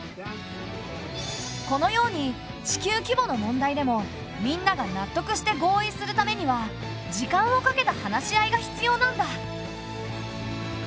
このように地球規模の問題でもみんなが納得して合意するためには時間をかけた話し合いが必要なんだ。